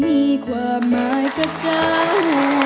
มีความหมายกับเจ้า